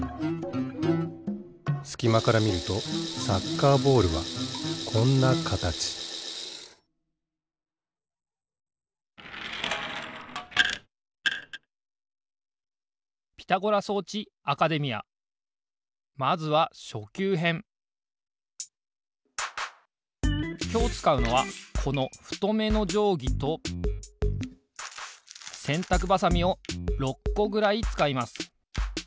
すきまからみるとサッカーボールはこんなかたちまずはきょうつかうのはこのふとめのじょうぎとせんたくばさみを６こぐらいつかいます。